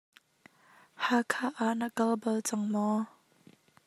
Hakha ah na kal bal cang maw?